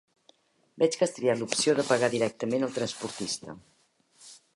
Veig que has triat l'opció de pagar directament al transportista.